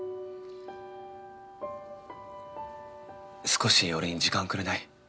少し俺に時間くれない？